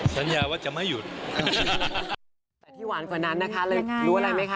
สัญญาว่าจะไม่หยุด